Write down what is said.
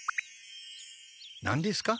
何ですか？